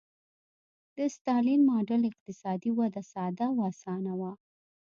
د ستالین ماډل اقتصادي وده ساده او اسانه وه